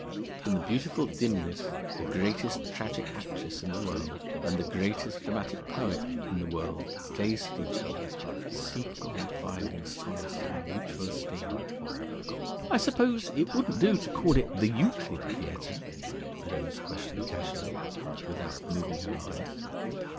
In the beautiful dimness the greatest tragic actress in the world and the greatest dramatic poet in the world gazed at each other, seeking and finding solace in mutual esteem. "I suppose it wouldn't do to call it the Euclid Theater?" Rose questioned casually, without moving her eyes.